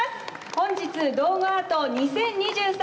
本日道後アート２０２３